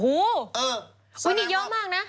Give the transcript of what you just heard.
โอ้โหนี่เยอะมากนะ